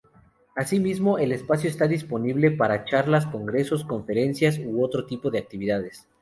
Asimismo, el espacio está disponible para charlas, congresos, conferencias u otro tipo de actividades.